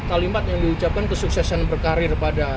kalimat yang diucapkan kesuksesan berkarir pada